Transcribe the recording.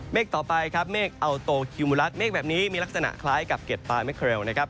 ต่อไปครับเมฆอัลโตคิวมูลัสเมฆแบบนี้มีลักษณะคล้ายกับเก็ดปลาเม็ดนะครับ